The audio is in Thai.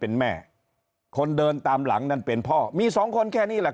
เป็นแม่คนเดินตามหลังนั่นเป็นพ่อมีสองคนแค่นี้แหละ